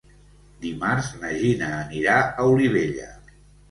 Dimarts na Gina anirà a Olivella.